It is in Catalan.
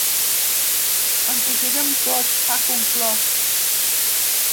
Ens ho juguem tot, ha conclòs.